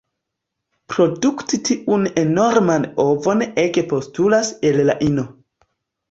Produkti tiun enorman ovon ege postulas el la ino.